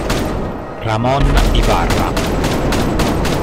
Ramón Ibarra